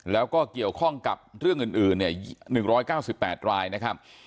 แล้วก็เกี่ยวข้องกับเรื่องอื่น๑๙๘รายนะครับ